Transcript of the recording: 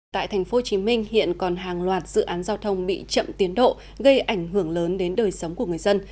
tại tp hcm hiện còn hàng loạt dự án giao thông bị chậm tiến độ gây ảnh hưởng lớn đến đời sống của người dân